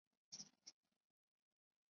官至按察司副使。